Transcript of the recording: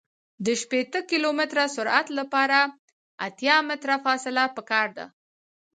د شپیته کیلومتره سرعت لپاره اتیا متره فاصله پکار ده